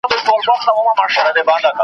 ما هم درلوده ځواني رنګینه .